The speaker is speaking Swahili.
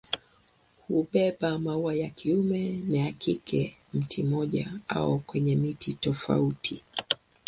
Hubeba maua ya kiume na ya kike kwenye mti mmoja au kwenye miti tofauti.